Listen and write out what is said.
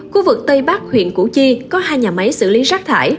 khu vực tây bắc huyện củ chi có hai nhà máy xử lý rác thải